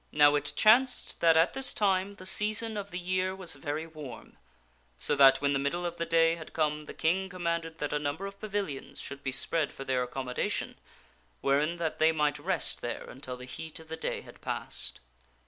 Now it chanced that at this time the season of the year was very warm, so that when the middle of the day had come the King commanded that a number of pavilions should be spread for their accommodation, wherein that they might rest there until the heat of the day had passed.